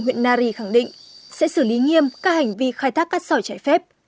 huyện nari khẳng định sẽ xử lý nghiêm các hành vi khai thác cát sỏi trái phép